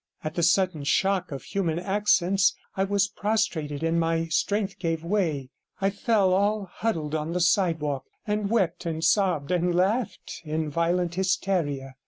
At the sudden shock of human accents I was prostrated, and my strength gave way; I fell all huddled on the sidewalk, and wept and sobbed and laughed in violent hysteria.